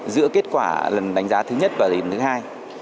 giữa kết quả lần đánh giá thứ nhất và lần thứ hai